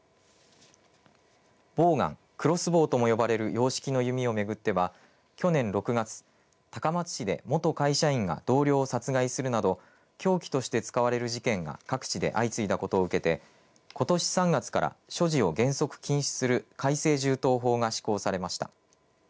ボーガン、クロスボウとも呼ばれる洋式の弓を巡っては去年６月、高松市で元会社員が同僚を殺害するなど凶器として使われる事件が各地で相次いだことを受けてことし３月から所持を原則禁止する改正銃刀法が施行されました。